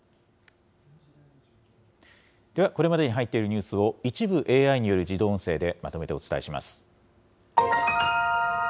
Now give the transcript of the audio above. では、これまでに入っているニュースを、一部ＡＩによる自動音声で、まとめてお伝えします。